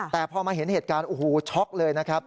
แต่พอมาเห็นเหตุการณ์โอ้โหช็อกเลยนะครับ